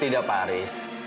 tidak pak aris